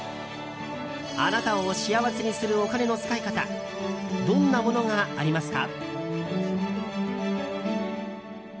あなたを幸せにするお金の使い方どんなものがありますか？